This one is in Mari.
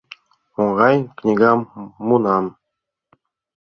Оҥай книгам муынам.